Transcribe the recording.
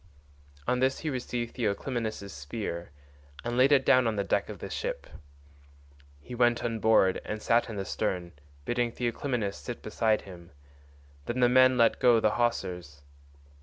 On this he received Theoclymenus' spear and laid it down on the deck of the ship. He went on board and sat in the stern, bidding Theoclymenus sit beside him; then the men let go the hawsers.